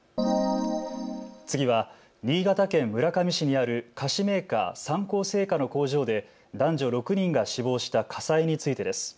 次は新潟県村上市にある菓子メーカー、三幸製菓の工場で男女６人が死亡した火災についてです。